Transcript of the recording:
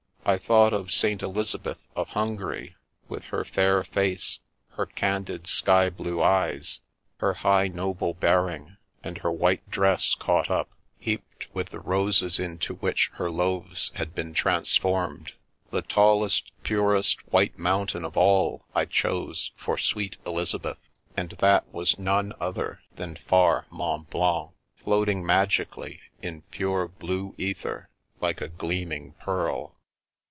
I thought of Saint Elizabeth of Hungary with her fair face, her candid sky blue eyes, her high, noble bearing, and her white dress caught up, heaped with the roses into which her loaves had been transformed. The tallest, purest white mountain of all I chose for sweet Elizabeth, and that was none other than far Mont Blanc, float ing magically in pure blue ether, like a gleaming pearl.